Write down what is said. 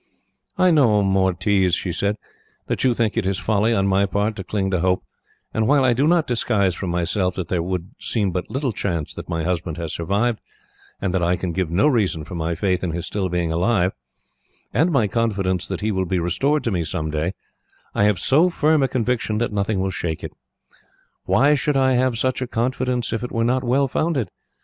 "I know, Mortiz," she said, "that you think it is folly, on my part, to cling to hope; and while I do not disguise from myself that there would seem but small chance that my husband has survived, and that I can give no reason for my faith in his still being alive, and my confidence that he will be restored to me some day, I have so firm a conviction that nothing will shake it. Why should I have such a confidence, if it were not well founded?